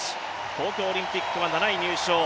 東京オリンピックは７位入賞。